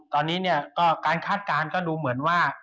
ตอนนี้การคาดการณ์ก็ดูเหมือนว่า